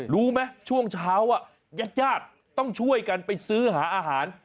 รู้ไหมช่วงเช้าญาติต้องช่วยกันไปซื้อหาอาหาร